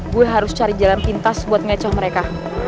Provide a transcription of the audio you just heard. gue harus cari jalan pintas buat ngecoh mereka